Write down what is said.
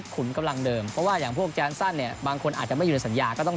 เขาเคยอยู่ว่าอยู่บรรกองกราศด้วยกัน